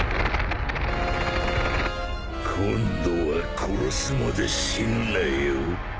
今度は殺すまで死ぬなよ。